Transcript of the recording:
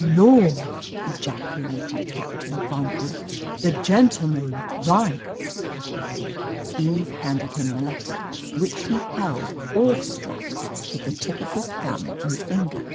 '" "Lor!" ejaculated Captain Bontnor, "the gentleman that writes." Eve handed him the letter, which he held, awestruck, with the tip of his thumb and finger.